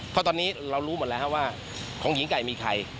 เพราะตอนนี้เรารู้หมดแล้วว่าของหญิงไก่มีใคร